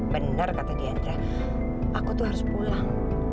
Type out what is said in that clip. benar kata diandra aku tuh harus pulang